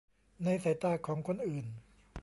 ในสายตาของคนอื่น